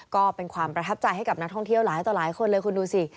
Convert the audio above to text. ก็เป็นความประทับใจให้กับนักท่องเที่ยวหลายต่อหลายคนเลยคุณดูสิ